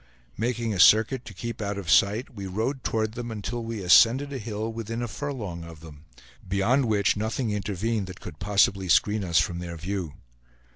Making a circuit to keep out of sight, we rode toward them until we ascended a hill within a furlong of them, beyond which nothing intervened that could possibly screen us from their view.